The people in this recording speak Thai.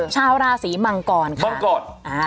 ชาวราศีมังกรค่ะ